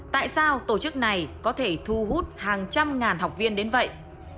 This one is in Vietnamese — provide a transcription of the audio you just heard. tại sao tổ chức này có thể thu hút hàng trăm ngàn học viên đến vậy